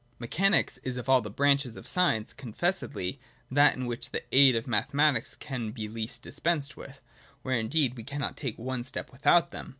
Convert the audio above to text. Mechanics is of all branches of science, confessedly, that in which the aid of mathematics can be least dispensed with, — where indeed we cannot take one step without them.